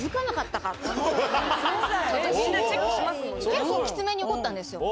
結構きつめに怒ったんですよ。